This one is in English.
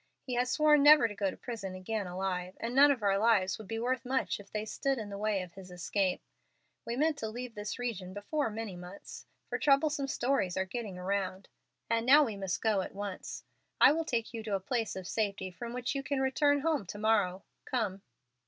He has sworn never to go to prison again alive, and none of our lives would be worth much if they stood in the way of his escape. We meant to leave this region before many months, for troublesome stories are getting around, and now we must go at once. I will take you to a place of safety, from which you can return home to morrow. Come."